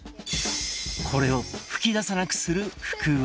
これを噴き出さなくする福ワザが